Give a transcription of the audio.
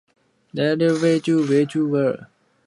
The four men became lifelong friends and fellow-workers.